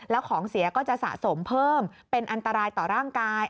แล้วของเสียก็จะสะสมเพิ่มเป็นอันตรายต่อร่างกาย